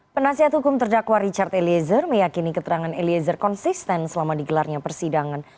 penasihat hukum terdakwa richard eliezer meyakini keterangan eliezer konsisten selama digelarnya persidangan